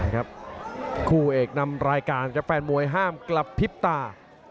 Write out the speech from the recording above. คู่เอกนำรายการครับแฟนมวยห้ามกลับพลิบตา